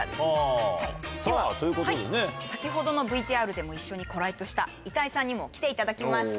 でははい先ほどのＶＴＲでも一緒にコライトしたＩｔａｉさんにも来ていただきました